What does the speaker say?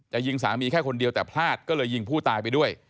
ยิงสามีแค่คนเดียวแต่พลาดก็เลยยิงผู้ตายไปด้วย